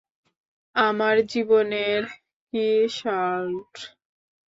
আমার জীবনের কী, শার্লট?